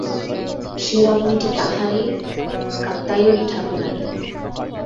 সে রমণীটি তাঁহারই কাত্যায়নী ঠাকুরানী!